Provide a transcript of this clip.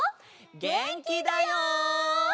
げんきだよ！